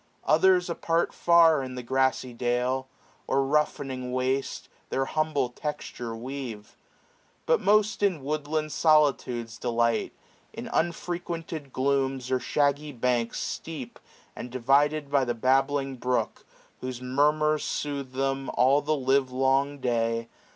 Others apart far in the grassy dale. Or roughening waste, their humble texture weave. 640 But most in woodland solitudes delight ; In unfrequented glooms, or shaggy banks. Steep, and divided by a babbling brook. Whose murmurs soothe them all the live^long day.